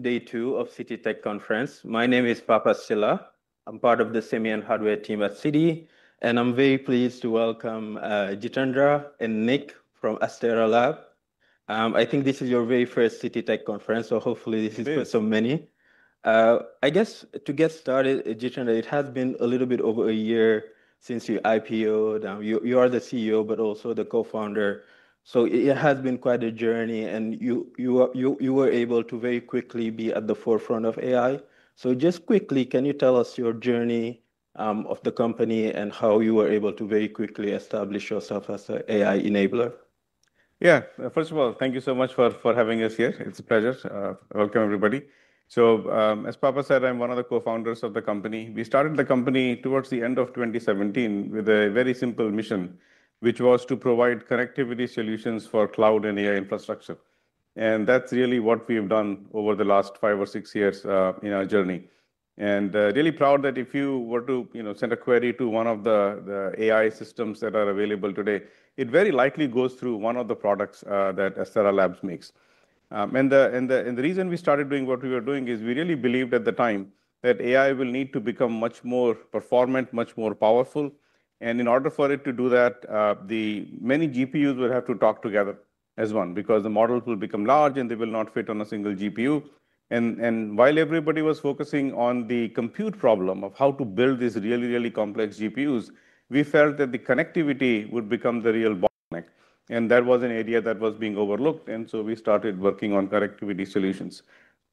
Day two of Citi Tech Conference. My name is Papa Silla. I'm part of the Semian hardware team at Citi, and I'm very pleased to welcome, Jitandra and Nick from Astera Lab. I think this is your very first Citi Tech conference, so hopefully, this has been so many. I guess to get started, Jitandra, it has been a little bit over a year since your IPO. You are the CEO, but also the Co Founder. So it has been quite a journey and you were able to very quickly be at the forefront of AI. So just quickly, can you tell us your journey of the company and how you were able to very quickly establish yourself as a AI enabler? Yeah. First of all, thank you so much for for having us here. It's a pleasure. Welcome, everybody. So as Papa said, I'm one of the cofounders of the company. We started the company towards the 2017 with a very simple mission, which was to provide connectivity solutions for cloud and AI infrastructure. And that's really what we've done over the last five or six years in our journey. And, really proud that if you were to, you know, send a query to one of the the AI systems that are available today, it very likely goes through one of the products, that Astera Labs makes. And the and the and the reason we started doing what we were doing is we really believed at the time that AI will need to become much more performant, much more powerful. And in order for it to do that, the many GPUs will have to talk together as one because the models will become large and they will not fit on a single GPU. And and while everybody was focusing on the compute problem of how to build these really, really complex GPUs, we felt that the connectivity would become the real bottleneck. And that was an area that was being overlooked, and so we started working on connectivity solutions.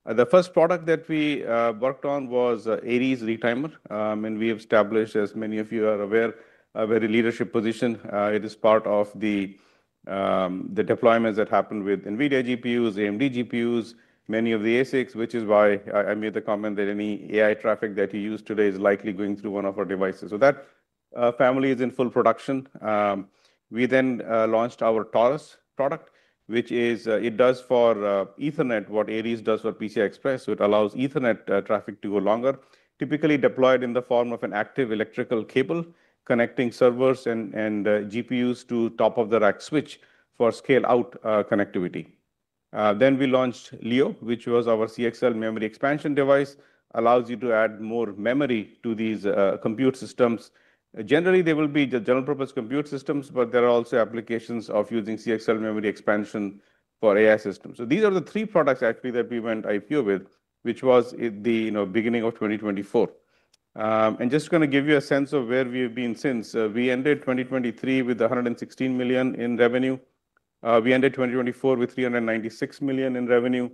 The first product that we, worked on was Ares retimer, and we established, as many of you are aware, a very leadership position. It is part of the, the deployments that happened with NVIDIA GPUs, AMD GPUs, many of the ASICs, which is why I I made the comment that any AI traffic that you use today is likely going through one of our devices. So that, family is in full production. We then, launched our Taurus product, which is, it does for, Ethernet, what Ares does for PCI Express. So it allows Ethernet, traffic to go longer, typically deployed in the form of an active electrical cable connecting servers and and GPUs to top of the rack switch for scale out, connectivity. Then we launched LEO, which was our CXL memory expansion device, allows you to add more memory to these, compute systems. Generally, they will be the general purpose compute systems, but there are also applications of using CXL memory expansion for AI systems. So these are the three products actually that we went IPO with, which was at the, you know, 2024. And just gonna give you a sense of where we have been since. We ended 2023 with a 116,000,000 in revenue. We ended 2024 with $396,000,000 in revenue.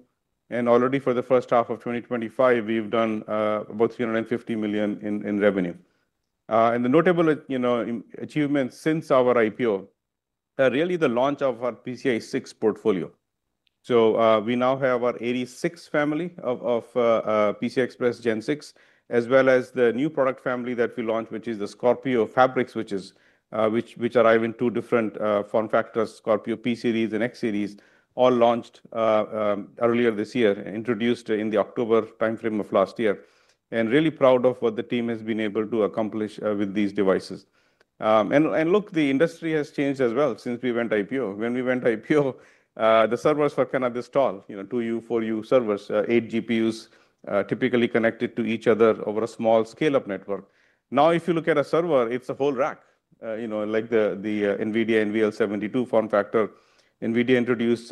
And already for the 2025, we've done, about $350,000,000 in in revenue. And the notable, you know, achievements since our IPO, really the launch of our PCI six portfolio. So, we now have our 86 family of of, PCI Express Gen six as well as the new product family that we launched, which is the Scorpio fabric switches, which which arrive in two different form factors, Scorpio p series and x series, all launched earlier this year, introduced in the October time frame of last year. And really proud of what the team has been able to accomplish with these devices. And and look, the industry has changed as well since we went IPO. When we went IPO, the servers were kinda the stall, you know, two u, four u servers, eight GPUs typically connected to each other over a small scale up network. Now if you look at a server, it's a whole rack, you know, like the the NVIDIA NVL 72 form factor. NVIDIA introduced,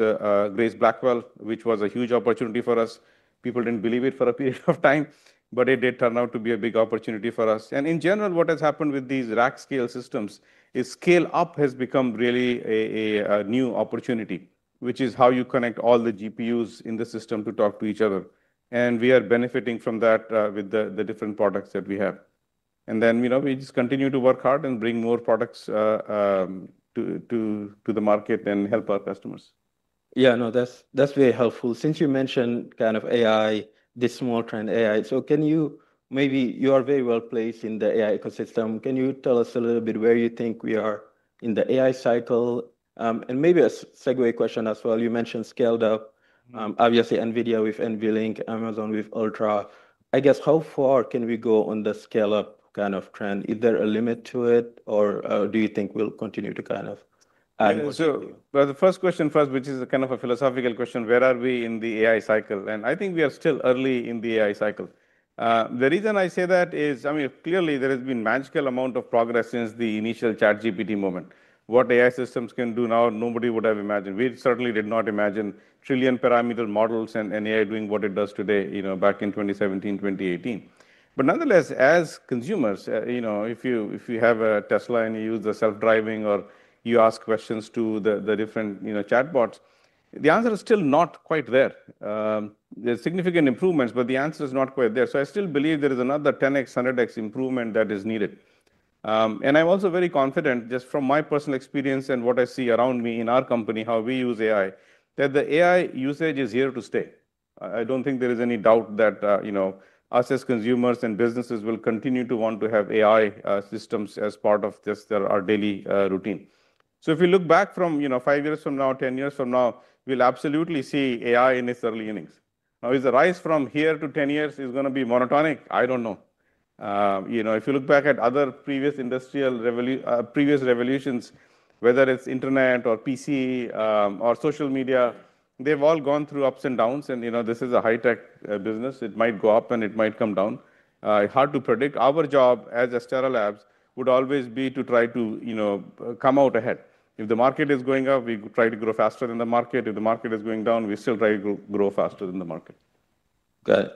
Grace Blackwell, which was a huge opportunity for us. People didn't believe it for a period of time, but it did turn out to be a big opportunity for us. And in general, what has happened with these rack scale systems is scale up has become really a a a new opportunity, which is how you connect all the GPUs in the system to talk to each other. And we are benefiting from that with the the different products that we have. And then, you know, we just continue to work hard and bring more products to to to the market and help our customers. Yeah. No. That's that's very helpful. Since you mentioned kind of AI, this small trend AI, so can you maybe you are very well placed in the AI ecosystem. Can you tell us a little bit where you think we are in the AI cycle? And maybe a segue question as well. You mentioned scaled up. Obviously, NVIDIA with NVLink, Amazon with Ultra. I guess, how far can we go on the scale up kind of trend? Is there a limit to it, or do you think we'll continue to kind of add So the first question first, which is a kind of a philosophical question, where are we in the AI cycle? And I think we are still early in the AI cycle. The reason I say that is, I mean, clearly, there has been magical amount of progress since the initial ChatGPT moment. What AI systems can do now, nobody would have imagined. We certainly did not imagine trillion parameter models and AI doing what it does today, you know, back in 2017, 2018. But nonetheless, as consumers, you know, if you if you have a Tesla and you use the self driving or you ask questions to the the different, you know, chatbots, the answer is still not quite there. There's significant improvements, but the answer is not quite there. So I still believe there is another 10 x, 100 x improvement that is needed. And I'm also very confident just from my personal experience and what I see around me in our company, how we use AI, that the AI usage is here to stay. I don't think there is any doubt that, you know, us as consumers and businesses will continue to want to have AI systems as part of just our daily routine. So if you look back from, you know, five years from now, ten years from now, we'll absolutely see AI in its early innings. Now is the rise from here to ten years is gonna be monotonic? I don't know. You know, if you look back at other previous industrial previous revolutions, whether it's Internet or PC or social media, they've all gone through ups and downs and this is a high-tech business, it might go up and it might come down. It's hard to predict. Our job at Astera Labs would always be to try to come out ahead. If the market is going up, we try to grow faster than the market. If the market is going down, we still try to grow faster than the market. Got it.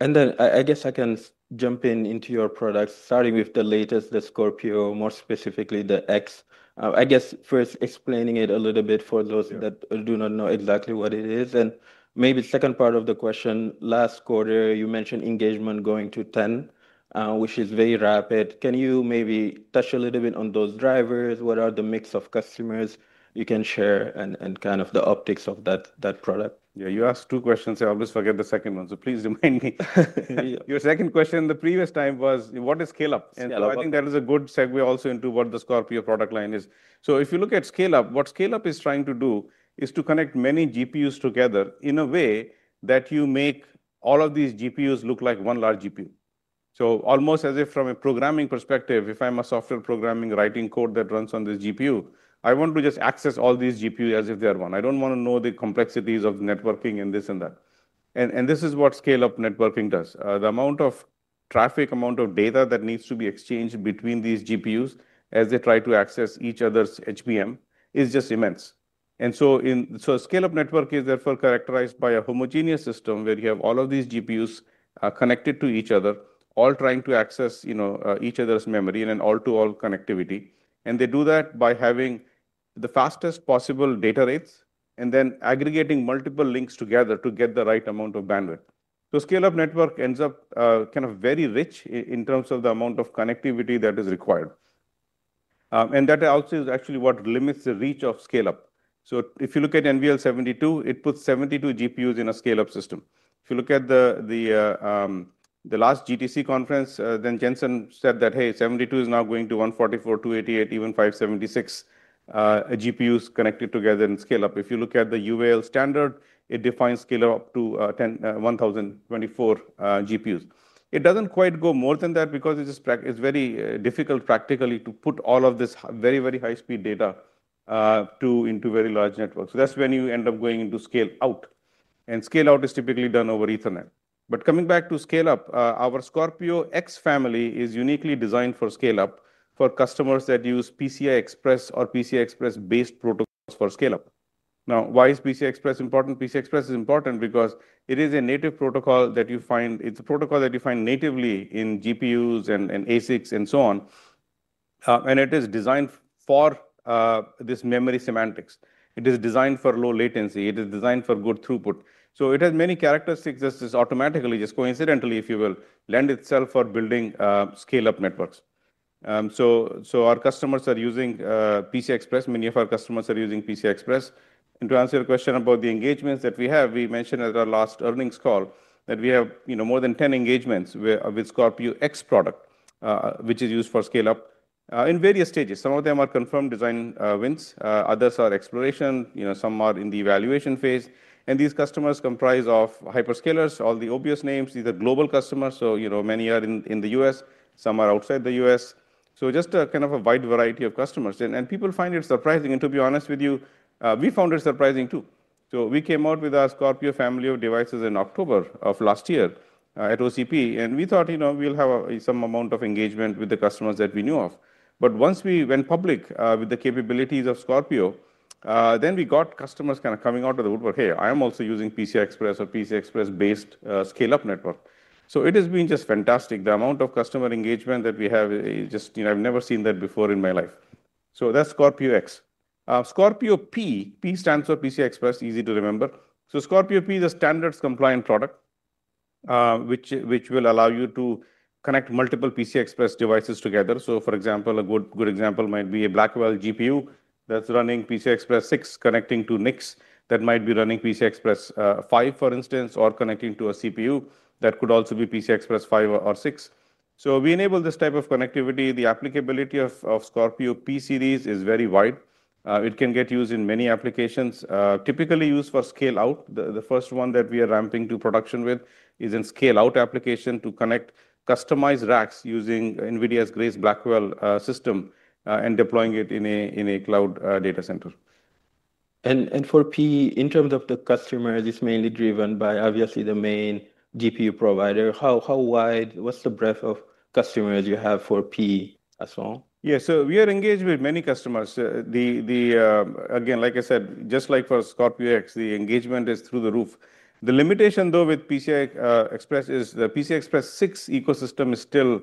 And then I guess I can jump in into your products, starting with the latest, the Scorpio, more specifically the X. I guess, first, explaining it a little bit for those that do not know exactly what it is. And maybe second part of the question, last quarter, you mentioned engagement going to 10, which is very rapid. Can you maybe touch a little bit on those drivers? What are the mix of customers you can share and and kind of the optics of that that product? Yeah. You asked two questions. I always forget the second one, so please remind me. Your second question in the previous time was what is scale up? And I think that is a good segue also into what the Scorpio product line is. So if you look at scale up, what scale up is trying to do is to connect many GPUs together in a way that you make all of these GPUs look like one large GPU. Almost as if from a programming perspective, if I'm a software programming writing code that runs on the GPU, I want to just access all these GPUs as if they're one. I don't wanna know the complexities of networking and this and that. And and this is what scale up networking does. The amount of traffic, amount of data that needs to be exchanged between these GPUs as they try to access each other's HBM is just immense. And so in so scale up network is therefore characterized by a homogeneous system where you have all of these GPUs, connected to each other, all trying to access, you know, each other's memory and an all to all connectivity. And they do that by having the fastest possible data rates and then aggregating multiple links together to get the right amount of bandwidth. The scale up network ends up, kind of very rich in terms of the amount of connectivity that is required. And that also is actually what limits the reach of scale up. So if you look at NVL 72, it puts 72 GPUs in a scale up system. If you look at the the, the last GTC conference, then Jensen said that, hey. 72 is now going to one forty four, two eighty eight, even five seventy six, GPUs connected together and scale up. If you look at the UAL standard, it defines scale up to 10 ten twenty four GPUs. It doesn't quite go more than that because it's just it's very difficult practically to put all of this very, very high speed data to into very large networks. So that's when you end up going into scale out. And scale out is typically done over Ethernet. But coming back to scale up, our Scorpio X family is uniquely designed for scale up for customers that use PCI Express or PCI Express based protocols for scale up. Now why is PCI Express important? PCI Express is important because it is a native protocol that you find it's a protocol that you find natively in GPUs and and ASICs and so on, and it is designed for, this memory semantics. It is designed for low latency. It is designed for good throughput. So it has many characteristics. This is automatically just coincidentally, if you will, lend itself for building, scale up networks. So so our customers are using, PCI Express. Many of our customers are using PCI Express. And to answer your question about the engagements that we have, we mentioned at our last earnings call that we have more than 10 engagements with Scorpio X product, which is used for scale up in various stages. Some of them are confirmed design wins, others are exploration, some are in the evaluation phase. And these customers comprise of hyperscalers, all the obvious names, these are global customers, so many are in The U. S, some are outside The U. S. So just kind of a wide variety of customers. And people find it surprising. And to be honest with you, we found it surprising, too. So we came out with our Scorpio family of devices in October at OCP, and we thought we'll have some amount of engagement with the customers that we knew of. But once we went public with the capabilities of Scorpio, then we got customers kind of coming out of the woodwork, hey, I am also using PCI Express or PCI Express based scale up network. So it has been just fantastic. The amount of customer engagement that we have is just you know, I've never seen that before in my life. So that's Scorpio X. Scorpio p, p stands for PCI Express, easy to remember. So Scorpio p is a standards compliant product, which which will allow you to connect multiple PCI Express devices together. So for example, a good good example might be a Blackwell GPU that's that's running PCI Express six connecting to NICs that might be running PCI Express five, for instance, or connecting to a CPU that could also be PCI Express five or six. So we enable this type of connectivity. The applicability of of Scorpio P series is very wide. It can get used in many applications, typically used for scale out. The the first one that we are ramping to production with is in scale out application to connect customized racks using NVIDIA's Grace Blackwell system and deploying it in a in a cloud data center. And and for PE, in terms of the customer, it's mainly driven by, obviously, the main GPU provider. How how wide what's the breadth of customers you have for PE as well? Yeah. So we are engaged with many customers. The the again, like I said, just like for ScorpioX, the engagement is through the roof. The limitation, with PCI Express is the PCI Express six ecosystem is still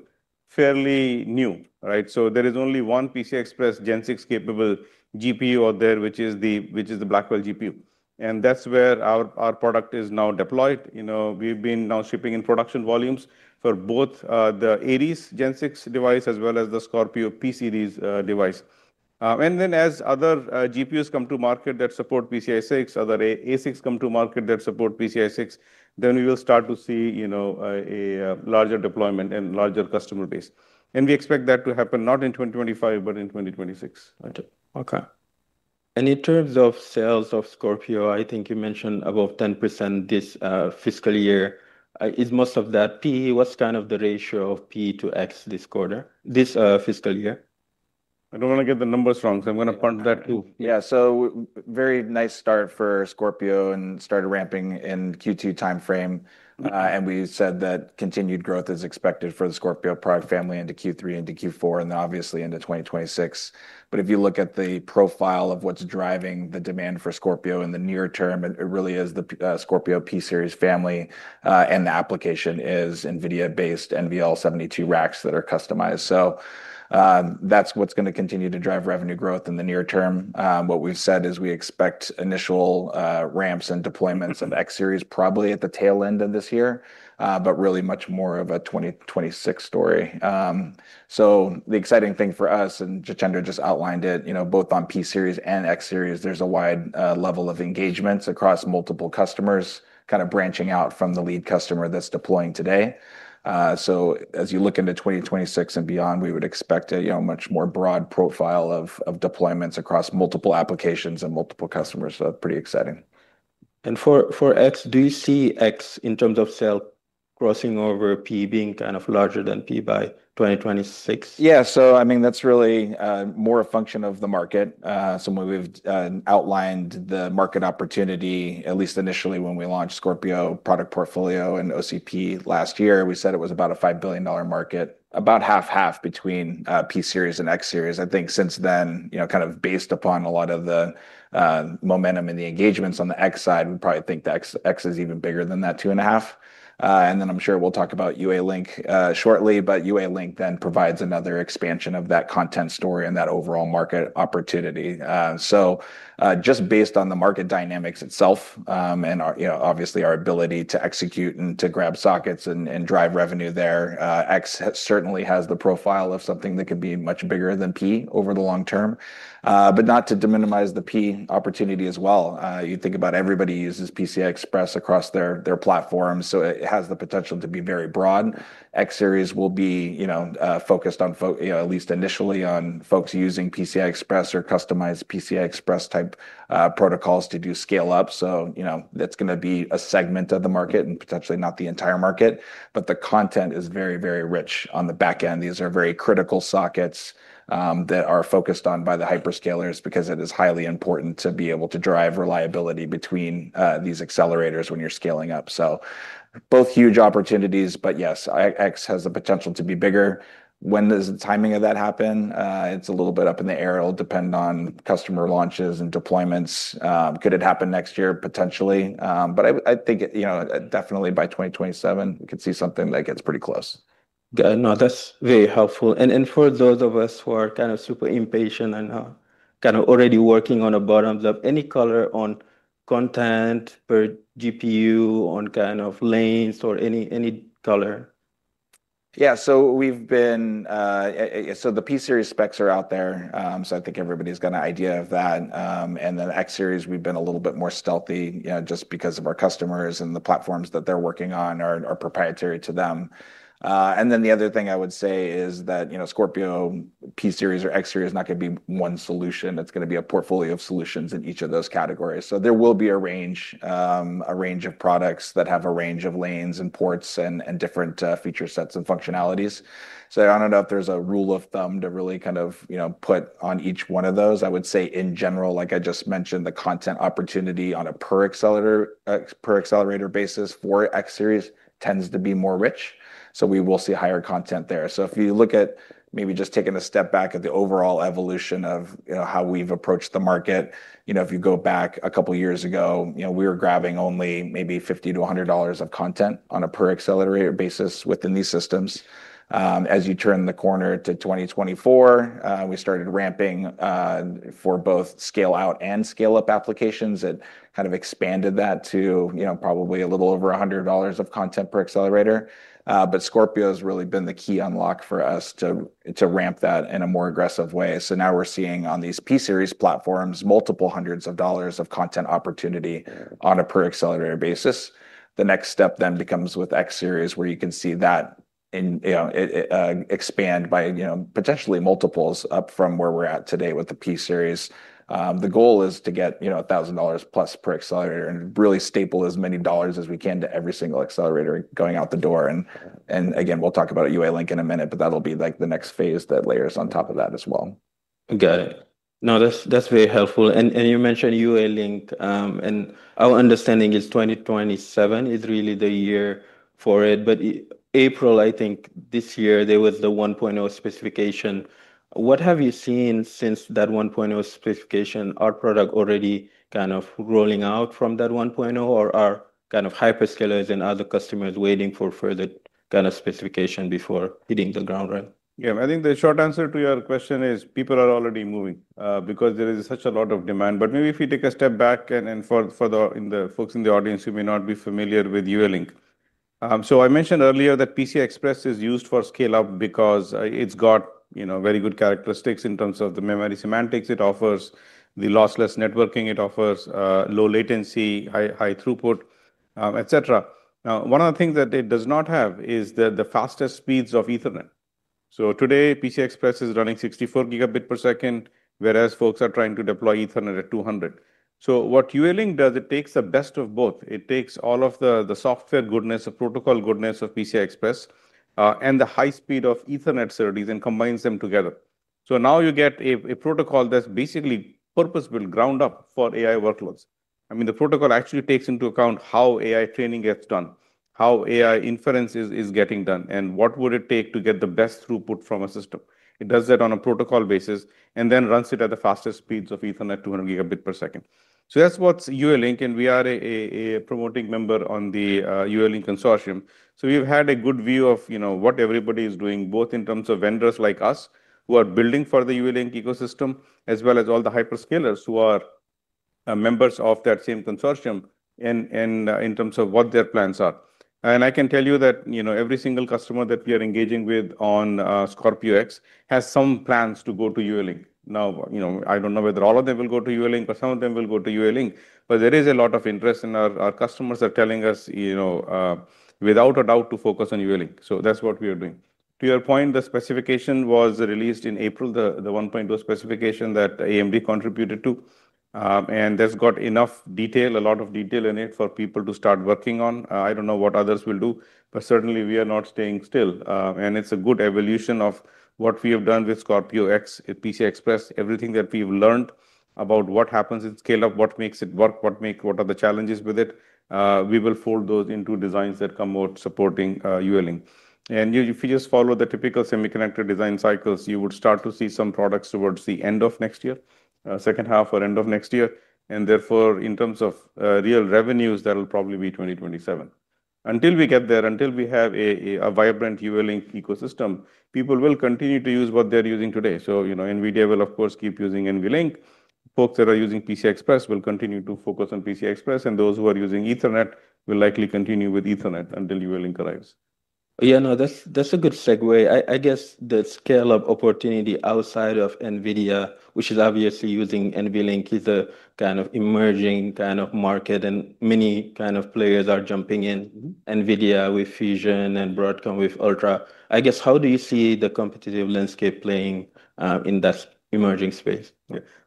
fairly new. Right? So there is only one PCI Express Gen six capable GPU out there, which is the which is the Blackwell GPU. And that's where our our product is now deployed. You know, we've been now shipping in production volumes for both, the Ares gen six device as well as the Scorpio P series, device. And then as other, GPUs come to market that support PCI six, other a a six come to market that support PCI six, we will start to see, you know, a a larger deployment and larger customer base. And we expect that to happen not in 2025, but in 2026. Okay. And in terms of sales of Scorpio, I think you mentioned above 10% this fiscal year. Is most of that PE what's kind of the ratio of PE to x this quarter this fiscal year? I don't wanna get the numbers wrong, I'm gonna punt that too. Yeah. So very nice start for Scorpio and started ramping in q two time frame. And we said that continued growth is expected for the Scorpio product family into q three into q four and then obviously into 2026. But if you look at the profile of what's driving the demand for Scorpio in the near term, it it really is the Scorpio p series family, and the application is NVIDIA based NVL 72 racks that are customized. So that's what's gonna continue to drive revenue growth in the near term. What we've said is we expect initial ramps and deployments of x series probably at the tail end of this year, but really much more of a 2026 story. So the exciting thing for us, and Jachendra just outlined it, you know, both on p series and x series, there's a wide level of engagements across multiple customers kind of branching out from the lead customer that's deploying today. So as you look into 2026 and beyond, we would expect a, you know, much more broad profile of of deployments across multiple applications and multiple customers. So pretty exciting. And for for x, do you see x in terms of sales crossing over p being kind of larger than p by 2026? Yeah. So I mean, that's really more a function of the market. Somewhat we've outlined the market opportunity, at least initially when we launched Scorpio product portfolio in OCP last year. We said it was about a $5,000,000,000 market, about half half between p series and x series. I think since then, you know, kind of based upon a lot of the momentum and the engagements on the x side, we probably think the x x is even bigger than that two and a half. And then I'm sure we'll talk about UA Link shortly, but UA Link then provides another expansion of that content story and that overall market opportunity. So just based on the market dynamics itself and obviously our ability to execute and to grab sockets and drive revenue there, X certainly has the profile of something that could be much bigger than P over the long term. But not to deminimize the p opportunity as well. You think about everybody uses PCI Express across their their platform, so it has the potential to be very broad. X series will be, you know, focused on least initially on folks using PCI Express or customized PCI Express type protocols to do scale up. So, you know, that's gonna be a segment of the market and potentially not the entire market, but the content is very, very rich on the back end. These are very critical sockets that are focused on by the hyperscalers because it is highly important to be able to drive reliability between these accelerators when you're scaling up. So both huge opportunities, but, yes, I x has the potential to be bigger. When does the timing of that happen? It's a little bit up in the air. It'll depend on customer launches and deployments. Could it happen next year, potentially? But I I think, you know, definitely by 2027, we could see something that gets pretty close. Good. No. That's very helpful. And and for those of us who are kind of super impatient and kinda already working on a bottoms up, any color on content per GPU on kind of lanes or any any color? Yeah. So we've been so the P Series specs are out there, so I think everybody's got an idea of that. And then X Series, we've been a little bit more stealthy, yeah, just because of our customers and the platforms that they're working on are are proprietary to them. And then the other thing I would say is that, you know, Scorpio p series or x series is not gonna be one solution. It's gonna be a portfolio of solutions in each of those categories. So there will be a range a range of products that have a range of lanes and ports and and different feature sets and functionalities. So I don't know if there's a rule of thumb to really kind of, you know, put on each one of those. I would say, in general, like I just mentioned, the content opportunity on a per accelerator per accelerator basis for x series tends to be more rich. So we will see higher content there. So if you look at maybe just taking a step back at the overall evolution of, you know, how we've approached the market, you know, if you go back a couple years ago, you know, we were grabbing only maybe 50 to a $100 of content on a per accelerator basis within these systems. As you turn the corner to 2024, we started ramping, for both scale out and scale up applications. It kind of expanded that to, you know, probably a little over a $100 of content per accelerator. But Scorpio has really been the key unlock for us to to ramp that in a more aggressive way. So now we're seeing on these p series platforms multiple hundreds of dollars of content opportunity on a per accelerator basis. The next step then becomes with x series where you can see that in you know, expand by, you know, potentially multiples up from where we're at today with the p series. The goal is to get, you know, a thousand dollars plus per accelerator and really staple as many dollars as we can to every single accelerator going out the door. And and, again, we'll talk about UALINK in a minute, but that'll be, like, the next phase that layers on top of that as well. Got it. No. That's that's very helpful. And and you mentioned UALINK, and our understanding is 2027 is really the year for it. But April, I think, this year, there was the one point zero specification. What have you seen since that one point zero specification? Are product already kind of rolling out from that one point o, or are kind of hyperscalers and other customers waiting for further kind of specification before hitting the ground. Right? Yeah. I think the short answer to your question is people are already moving because there is such a lot of demand. But maybe if you take a step back and and for for the in the folks in the audience who may not be familiar with UELink. So I mentioned earlier that PCI Express is used for scale up because it's got, you know, very good characteristics in terms of the memory semantics. It offers the lossless networking. It offers, low latency, high high throughput, etcetera. Now one of the things that it does not have is the the fastest speeds of Ethernet. So today, PC Express is running 64 gigabit per second, whereas folks are trying to deploy Ethernet at 200. So what UALink does, it takes the best of both. It takes all of the the software goodness, the protocol goodness of PCI Express, and the high speed of Ethernet SerDes and combines them together. Now you get a a protocol that's basically purpose built ground up for AI workloads. I mean, the protocol actually takes into account how AI training gets done, how AI inference is is getting done, and what would it take to get the best throughput from a system. It does that on a protocol basis and then runs it at the fastest speeds of Ethernet 200 gigabit per second. So that's what's UOLINK, and we are a a promoting member on the UOLINK consortium. So we've had a good view of, you know, what everybody is doing both in terms of vendors like us who are building for the UELink ecosystem as well as all the hyperscalers who are members of that same consortium in in in terms of what their plans are. And I can tell you that, you know, every single customer that we are engaging with on ScorpioX has some plans to go to ULE. Now, you know, I don't know whether all of them will go to ULE, but some of them will go to ULE. But there is a lot of interest in our our customers are telling us, you know, without a doubt to focus on ULE. So that's what we are doing. To your point, the specification was released in April, the the one point o specification that AMD contributed to. And that's got enough detail, a lot of detail in it for people to start working on. I don't know what others will do, but certainly, we are not staying still. And it's a good evolution of what we have done with ScorpioX, PC Express, everything that we've learned about what happens in scale up, what makes it what what make what are the challenges with it, we will fold those into designs that come out supporting ULE. And you if you just follow the typical semiconductor design cycles, you would start to see some products towards the end of next year, second half or end of next year. And therefore, in terms of real revenues, that'll probably be 2027. Until we get there, until we have a a a vibrant UOLINK ecosystem, people will continue to use what they're using today. So, you know, NVIDIA will, of course, keep using NVLink. Folks Folks that are using PCI Express will continue to focus on PCI Express, and those who are using Ethernet will likely continue with Ethernet until UILink arrives. Yeah. No. That's that's a good segue. I I guess the scale of opportunity outside of NVIDIA, which is obviously using NVLink is a kind of emerging kind of market, and many kind of players are jumping in NVIDIA with Fusion and Broadcom with Ultra. I guess how do you see the competitive landscape playing in that emerging space?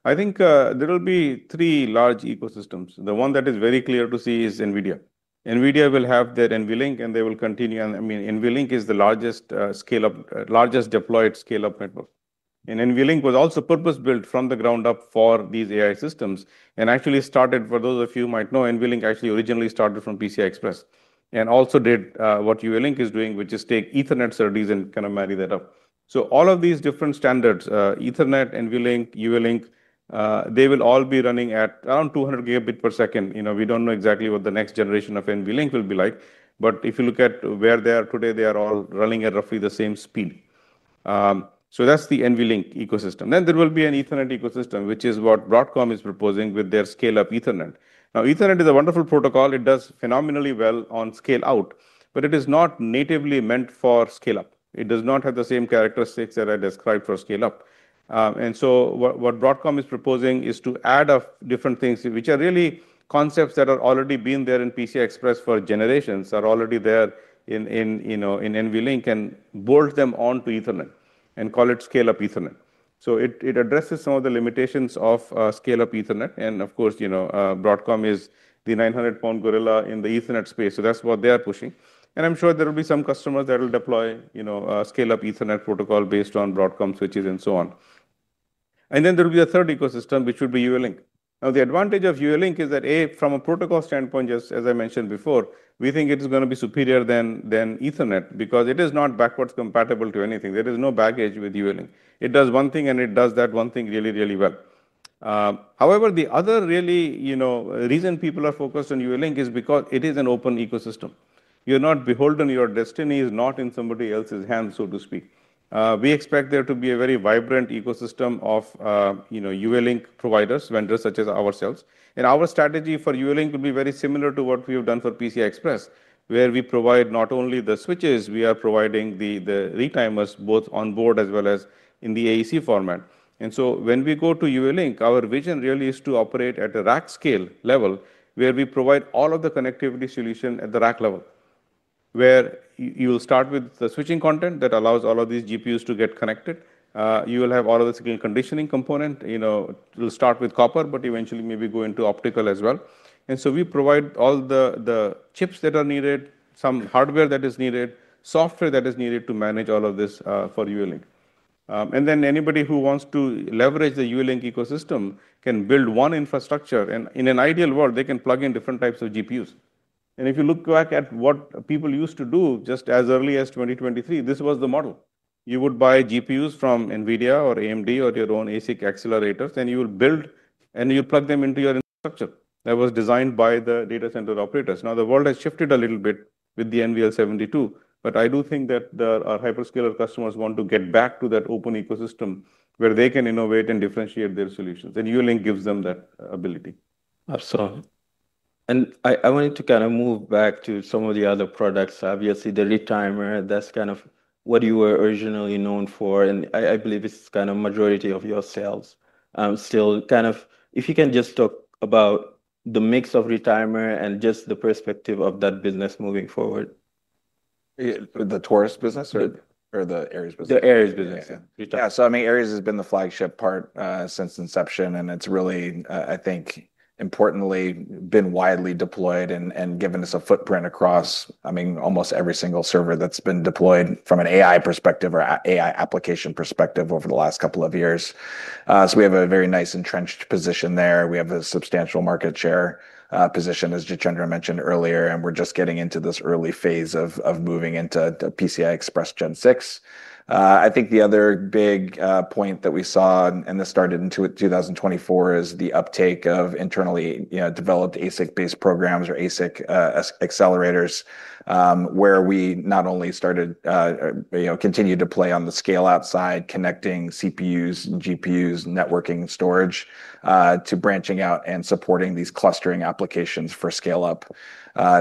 I think there will be three large ecosystems. The one that is very clear to see is NVIDIA. NVIDIA will have their NVLink, and they will continue. And, I mean, NVLink is the largest scale up largest deployed scale up network. And NVLink was also purpose built from the ground up for these AI systems and actually started for those of you who might know, NVLink actually originally started from PCI Express and also did, what ULEink is doing, which is take Ethernet service and kinda marry that up. So all of these different standards, Ethernet, NVLink, ULE Link, they will all be running at around 200 gigabit per second. You know, we don't know exactly what the next generation of NVLink will be like. But if you look at where they are today, they are all running at roughly the same speed. So that's the NVLink ecosystem. Then there will be an Ethernet ecosystem, which is what Broadcom is proposing with their scale up Ethernet. Now Ethernet is a wonderful protocol. It does phenomenally well on scale out, but it is not natively meant for scale up. It does not have the same characteristics that I described for scale up. And so what what Broadcom is proposing is to add up different things, which are really concepts that are already been there in PCI Express for generations, are already there in NVLink and bolt them on to Ethernet and call it scale up Ethernet. So it addresses some of the limitations of scale up Ethernet. And of course, Broadcom is the 900 pound gorilla in the Ethernet space, so that's what they are pushing. And I'm sure there will be some customers that will deploy, you know, a scale up Ethernet protocol based on Broadcom switches and so on. And then there will be a third ecosystem, which would be UOLINK. Now the advantage of UOLINK is that, a, from a protocol standpoint, just as I mentioned before, we think it's going to be superior than Ethernet because it is not backwards compatible to anything. There is no baggage with UOLINK. It does one thing and it does that one thing really, really well. However, the other really, you know, reason people are focused on UOLINK is because it is an open ecosystem. You are not beholden your destiny is not in somebody else's hands, so to speak. We expect there to be a very vibrant ecosystem of UOLINK providers, vendors such as ourselves. And our strategy for UOLINK will be very similar to what we have done for PCI Express, where we provide not only the switches, we are providing the retimers both onboard as well as in the AEC format. And so when we go to UOLINK, our vision really is to operate at a rack scale level, where we provide all of the connectivity solution at the rack level, where you will start with the switching content that allows all of these GPUs to get connected. You will have auto and screen conditioning component, it will start with copper, but eventually maybe go into optical as well. And so we provide all the chips that are needed, some hardware that is needed, software that is needed to manage all of this for UOLINK. And then anybody who wants to leverage the UOLINK ecosystem can build one infrastructure and in an ideal world, they can plug in different types of GPUs. And if you look back at what people used to do just as early as 2023, this was the model. You would buy GPUs from NVIDIA or AMD or your own ASIC accelerators and you will build and you plug them into your structure that was designed by the data center operators. Now the world has shifted a little bit with the NVL 72, but I do think that the our hyperscaler customers want to get back to that open ecosystem where they can innovate and differentiate their solutions. And ULink gives them that ability. Absolutely. And I I wanted to kinda move back to some of the other products. Obviously, the retimer, that's kind of what you were originally known for, and I I believe it's kinda majority of your sales. I'm still kind of if you can just talk about the mix of retimer and just the perspective of that business moving forward. The tourist business or or the Ares business? The Ares business. Yeah. Retimer. So, I mean, Ares has been the flagship part since inception, and it's really, I think, importantly, been widely deployed and and given us a footprint across, I mean, almost every single server that's been deployed from an AI perspective or AI application perspective over the last couple of years. So we have a very nice entrenched position there. We have a substantial market share, position, as Jachendra mentioned earlier, and we're just getting into this early phase of of moving into PCI Express Gen six. I think the other big, point that we saw, and this started in 02/2024, is the uptake of internally, you know, developed ASIC based programs or ASIC accelerators, where we not only started, you know, continued to play on the scale outside connecting CPUs, GPUs, networking storage to branching out and supporting these clustering applications for scale up.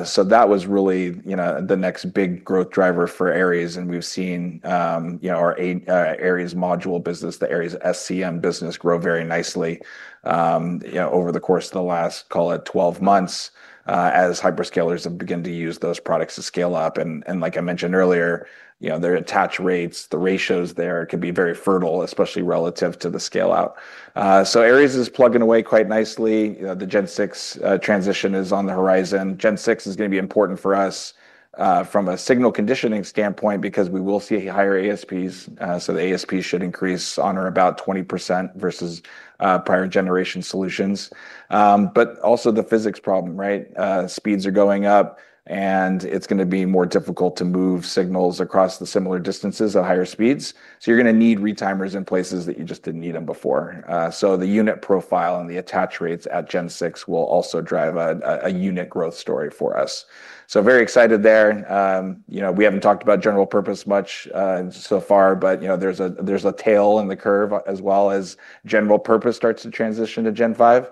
So that was really, you know, the next big growth driver for Ares, and we've seen, you know, our a Ares module business, the Ares SCM business grow very nicely, over the course of the last, call it, twelve months as hyperscalers have begun to use those products to scale up. And like I mentioned earlier, their attach rates, the ratios there could be very fertile, especially relative to the scale out. So Ares is plugging away quite nicely. The Gen six transition is on the horizon. Gen six is going to be important for us from a signal conditioning standpoint because we will see higher ASPs. So the ASP should increase on or about 20% versus prior generation solutions. But also the physics problem. Right? Speeds are going up, and it's gonna be more difficult to move signals across the similar distances at higher speeds. So you're gonna need retimers in places that you just didn't need them before. So the unit profile and the attach rates at Gen six will also drive a unit growth story for us. So very excited there. You know, we haven't talked about general purpose much so far, but, you know, there's a there's a tail in the curve as well as general purpose starts to transition to gen five.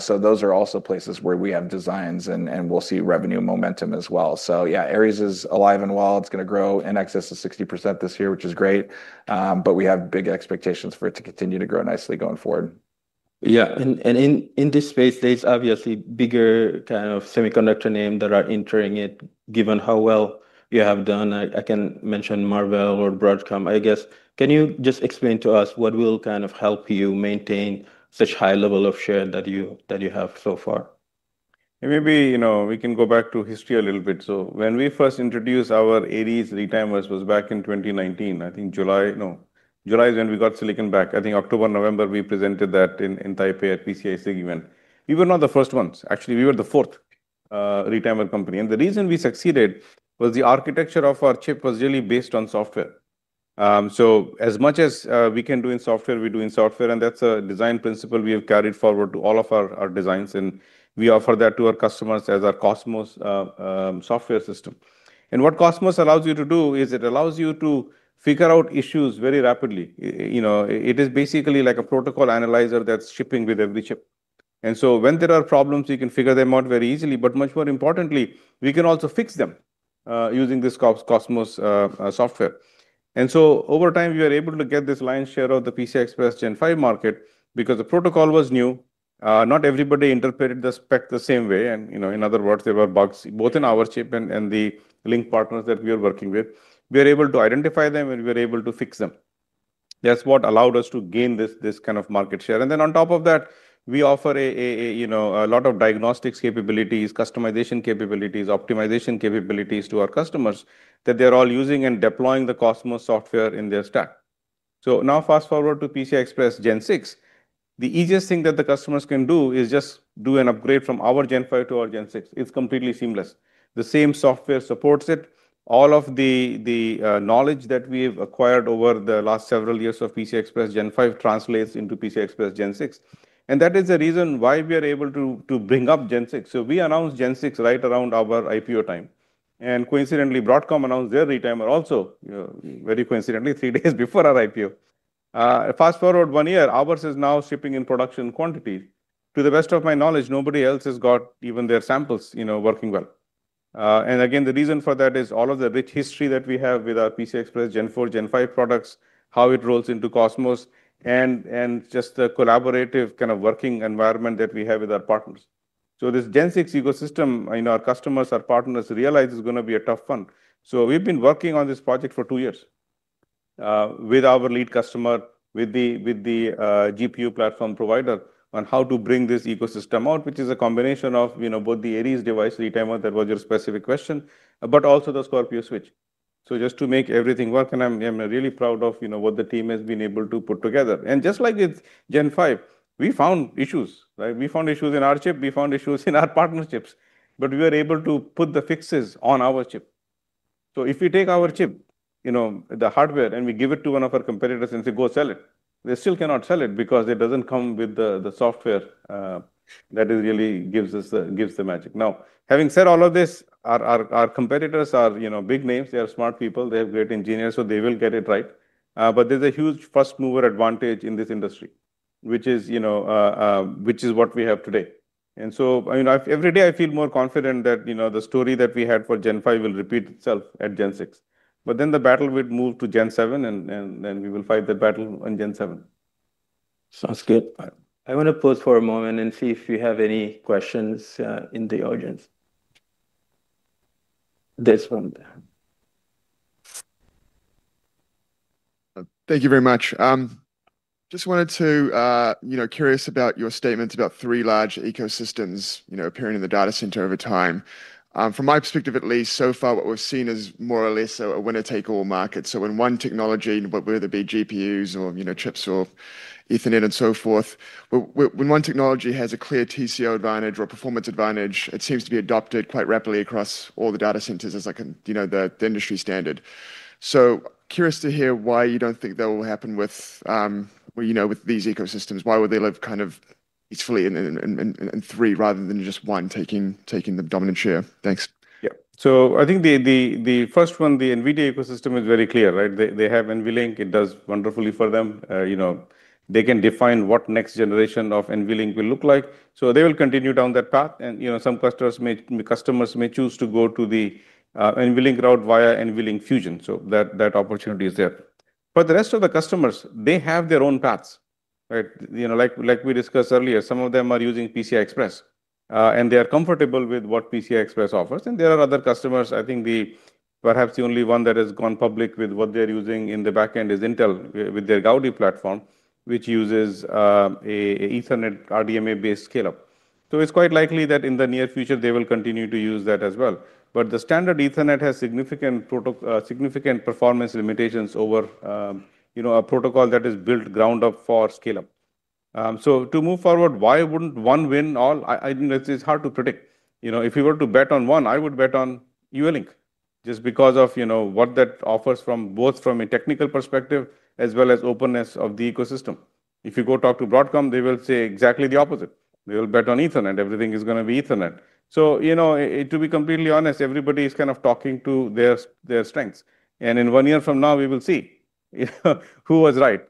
So those are also places where we have designs, and and we'll see revenue momentum as well. So, yeah, Ares is alive and well. It's gonna grow in excess of 60% this year, which is great, but we have big expectations for it to continue to grow nicely going forward. Yeah. And and in in this space, there's obviously bigger kind of semiconductor name that are entering it given how well you have done. I I can mention Marvell or Broadcom, I guess. Can you just explain to us what will kind of help you maintain such high level of share that you that you have so far? Maybe, you know, we can go back to history a little bit. So when we first introduced our eighties retimers was back in 2019. I think July no. July is when we got silicon back. I think October, November, we presented that in in Taipei at PCIC event. We were not the first ones. Actually, we were the fourth retimer company. And the reason we succeeded was the architecture of our chip was really based on software. So as much as we can do in software, we do in software, and that's a design principle we have carried forward to all of our our designs, and we offer that to our customers as our Cosmos software system. And what Cosmos allows you to do is it allows you to figure out issues very rapidly. You know, it is basically like a protocol analyzer that's shipping with every chip. And so when there are problems, you can figure them out very easily. But much more importantly, we can also fix them using this Cosmos software. And so over time, we are able to get this lion's share of the PCI Express gen five market because the protocol was new. Not everybody interpreted the spec the same way. And, you know, in other words, there were bugs both in our chip and and the link partners that we are working with. We're able to identify them, and we're able to fix them. That's what allowed us to gain this this kind of market share. And then on top of that, we offer a a a, you know, a lot of diagnostics capabilities, customization capabilities, optimization capabilities to our customers that they're all using and deploying the Cosmos software in their stack. So now fast forward to PCI Express Gen six. The easiest thing that the customers can do is just do an upgrade from our Gen five to our Gen six. It's completely seamless. The same software supports it. All of the the knowledge that we've acquired over the last several years of PCI Express gen five translates into PCI Express gen six. And that is the reason why we are able to to bring up gen six. So we announced gen six right around our IPO time. And coincidentally, Broadcom announced their retimer also, you know, very coincidentally three days before our IPO. Fast forward one year, ours is now shipping in production quantity. To the best of my knowledge, nobody else has got even their samples, you know, working well. And again, the reason for that is all of the rich history that we have with our PCI Express Gen four, Gen five products, how it rolls into Cosmos, and and just the collaborative kind of working environment that we have with our partners. So this Gen six ecosystem, you know, our customers, our partners realize is gonna be a tough one. So we've been working on this project for two years with our lead customer, with the with the GPU platform provider how to bring this ecosystem out, which is a combination of, you know, both the Ares device, retimer, that was your specific question, but also the Scorpio switch. So just to make everything work, and I'm I'm really proud of, you know, what the team has been able to put together. And just like with Gen five, we we found issues. Right? We found issues in our chip. We found issues in our partnerships, but we were able to put the fixes on our chip. So if we take our chip, you know, the hardware, and we give it to one of our competitors and say go sell it, They still cannot sell it because it doesn't come with the the software that really gives us the gives the magic. Now having said all of this, our our our competitors are, you know, big names. They are smart people. They have great engineers, so they will get it right. But there's a huge first mover advantage in this industry, which is, you know, which is what we have today. And so, I mean, I every day, I feel more confident that, you know, the story that we had for gen five will repeat itself at gen six. But then the battle would move to gen seven, and and then we will fight the battle on gen seven. Sounds good. I wanna pause for a moment and see if you have any questions in the audience. This one. Thank you very much. Just wanted to, you know, curious about your statements about three large ecosystems, you know, appearing in the data center over time. From my perspective at least, so far what we've seen is more or less a winner take all market. So when one technology, whether it be GPUs or chips or Ethernet and so forth, when one technology has a clear TCO advantage or performance advantage, it seems to be adopted quite rapidly across all the data centers as I can you know, the the industry standard. So curious to hear why you don't think that will happen with, well, you know, with these ecosystems. Why would they live kind of easily in in in in three rather than just one taking taking the dominant share? Thanks. Yep. So I think the the the first one, the NVIDIA ecosystem is very clear. Right? They they have NVLink. It does wonderfully for them. You know, they can define what next generation of NVLink will look like. So they will continue down that path. And, you know, some customers may customers may choose to go to the NVLink route via NVLink fusion. So that that opportunity is there. For the rest of the customers, they have their own paths. Right? You know, like like we discussed earlier, some of them are using PCI Express, and they are comfortable with what PCI Express offers. And there are other customers. I think the perhaps the only one that has gone public with what they're using in the back end is Intel with their Gaudi platform, which uses Ethernet RDMA based scale up. So it's quite likely that in the near future, they will continue to use that as well. But the standard Ethernet has significant performance limitations over a protocol that is built ground up for scale up. So to move forward, why wouldn't one win all? I think it's hard to predict. If you were to bet on one, I would bet on Unlink just because of, you know, what that offers from both from a technical perspective as well as openness of the ecosystem. If you go talk to Broadcom, they will say exactly the opposite. We will bet on Ethernet. Everything is going to be Ethernet. So, you know, to be completely honest, everybody is kind of talking to their their strengths. And in one year from now, we will see, you know, who was right.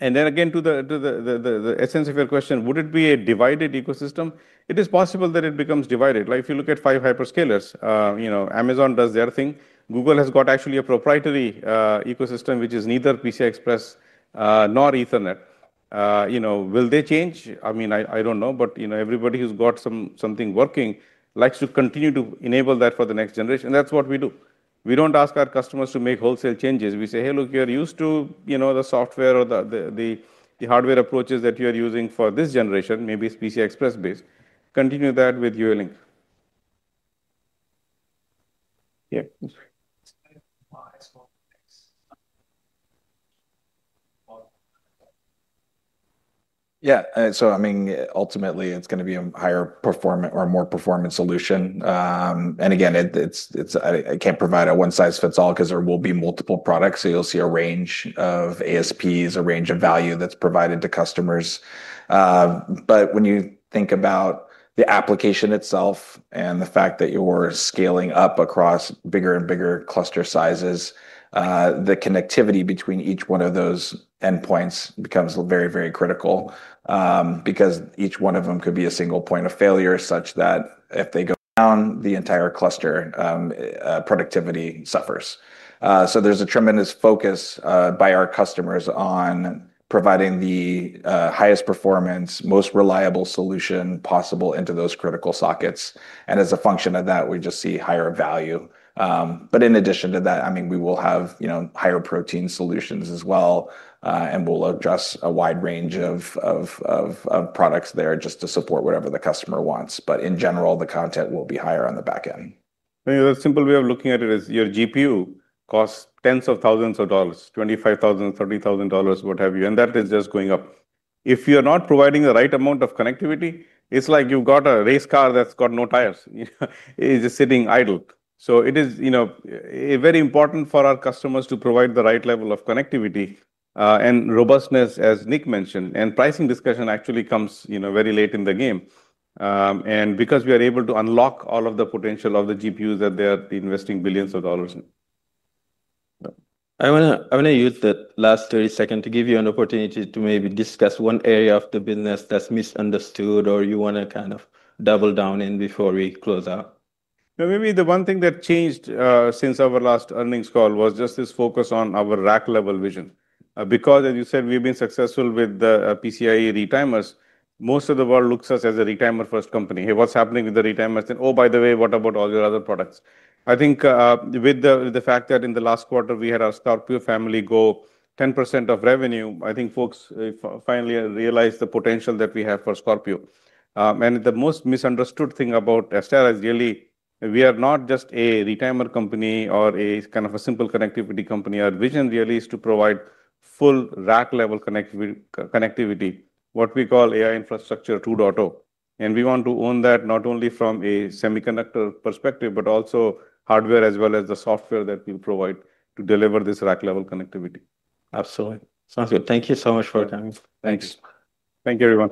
And then, again, to the to the the the essence of your question, would it be a divided ecosystem? It It is possible that it becomes divided. Like if you look at five hyperscalers, Amazon does their thing. Google has got actually a proprietary ecosystem, which is neither PCI Express nor Ethernet. Will they change? I mean, I don't know, but everybody who has got something working likes to continue to enable that for the next generation. That's what we do. We don't ask our customers to make wholesale changes. We say, hey, look, are used to the software or the hardware approaches that you are using for this generation, maybe it's PCI Express based. Continue that with UOLINK. Yeah. Yeah. So, I mean, ultimately, it's gonna be a higher perform or more performance solution. And, again, it it's it's I I can't provide a one size fits all because there will be multiple products. So you'll see a range of ASPs, a range of value that's provided to customers. But when you think about the application itself and the fact that you're scaling up across bigger and bigger cluster sizes, the connectivity between each one of those endpoints becomes very, very critical because each one of them could be a single point of failure such that if they go down, the entire cluster productivity suffers. So there's a tremendous focus by our customers on providing the highest performance, most reliable solution possible into those critical sockets. And as a function of that, we just see higher value. But in addition to that, I mean, we will have, you know, higher protein solutions as well, and we'll address a wide range of of of of products there just to support whatever the customer wants. But in general, the content will be higher on the back end. I mean, the simple way of looking at it is your GPU costs tens of thousands of dollars, 25,000, $30,000, what have you, and that is just going up. If you are not providing the right amount of connectivity, it's like you've got a race car that's got no tires. It's just sitting idle. It is, you know, very important for our customers to provide the right level of connectivity and robustness, as Nick mentioned. And pricing discussion actually comes, you know, very late in the game and because we are able to unlock all of the potential of the GPUs that they're investing billions of dollars in. I wanna I wanna use that last thirty second to give you an opportunity to maybe discuss one area of the business that's misunderstood or you wanna kind of double down in before we close out. Maybe the one thing that changed since our last earnings call was just this focus on our rack level vision. Because as you said, we've been successful with the PCIe retimers. Most of the world looks us as a retimer first company. Hey. What's happening with the retimer? And, oh, by the way, what about all your other products? I think with the with the fact that in the last quarter, we had our Scorpio family go 10% of revenue, I think folks finally realized the potential that we have for Scorpio. And the most misunderstood thing about Astera is really we are not just a retimer company or a kind of a simple connectivity company. Our vision really is to provide full rack level connect connectivity, what we call AI infrastructure two .o. And we want to own that not only from a semiconductor perspective, but also hardware as well as the software that we provide to deliver this rack level connectivity. Absolutely. Sounds good. Thank you so much for your time. Thanks. Thank you, everyone.